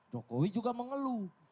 jokowi juga mengeluh